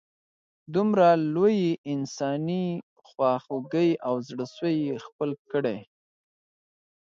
دومره لویې انسانې خواږۍ او زړه سوي یې خپل کړي.